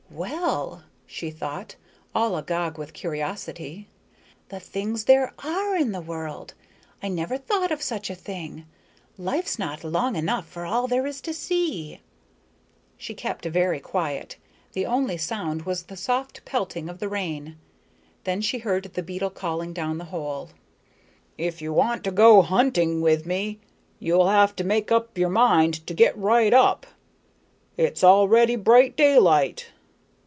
"Well," she thought, all a gog with curiosity, "the things there are in the world. I never thought of such a thing. Life's not long enough for all there is to see." She kept very quiet. The only sound was the soft pelting of the rain. Then she heard the beetle calling down the hole: "If you want to go hunting with me, you'll have to make up your mind to get right up. It's already bright daylight."